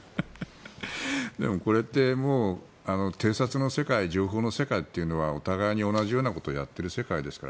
でも、これって偵察の世界、情報の世界はお互いに同じようなことをやってる世界ですから。